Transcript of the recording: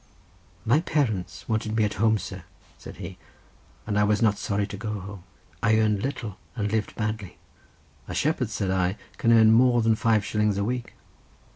"My parents wanted me at home, sir," said he; "and I was not sorry to go home; I earned little, and lived badly." "A shepherd," said I, "can earn more than five shillings a week."